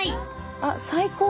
あっ最高。